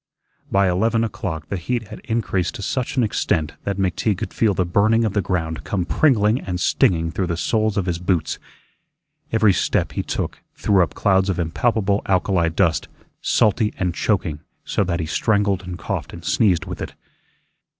By eleven o'clock the heat had increased to such an extent that McTeague could feel the burning of the ground come pringling and stinging through the soles of his boots. Every step he took threw up clouds of impalpable alkali dust, salty and choking, so that he strangled and coughed and sneezed with it.